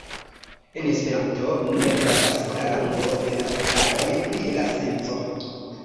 En Esperanto ne gravas la longo de la vokaloj pri la senco.